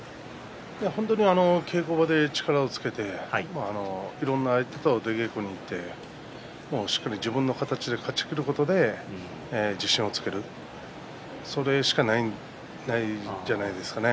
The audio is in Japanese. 本当に稽古場で力をつけていろいろな相手と出稽古に行って自分の形で勝ち切ることで自信をつけるそれしかないんじゃないですかね。